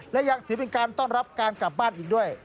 และยังถือเป็นการต้อนรับการกลับบ้านอีกด้วย